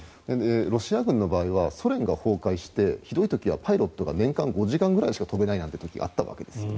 ロシア軍の場合はソ連が崩壊してひどい時はパイロットが年間５時間ぐらいしか飛べないなんて時があったんですよ。